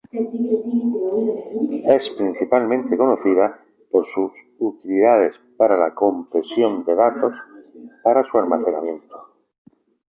Es principalmente conocida por sus utilidades para la compresión de datos para su almacenamiento.